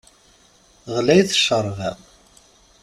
Ɣlayet ccerba!